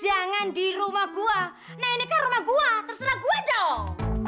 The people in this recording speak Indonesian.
jangan di rumah gua nah ini kan rumah gua terserah gua dong